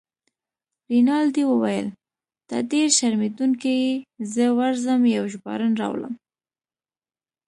رینالډي وویل: ته ډیر شرمېدونکی يې، زه ورځم یو ژباړن راولم.